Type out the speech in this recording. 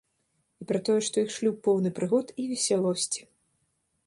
І пра тое, што іх шлюб поўны прыгод і весялосці.